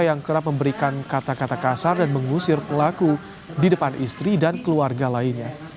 yang kerap memberikan kata kata kasar dan mengusir pelaku di depan istri dan keluarga lainnya